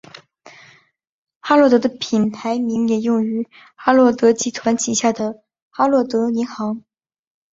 哈洛德的品牌名也用于哈洛德集团旗下的哈洛德银行。